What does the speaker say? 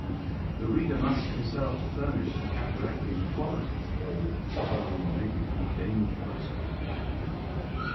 The reader must himself furnish the counteracting qualities or Poe may become a dangerous comrade.